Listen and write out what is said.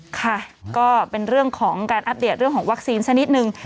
ค่ะก็เป็นเรื่องของการอัปเดตเรื่องของวัคซีนสักนิดนึง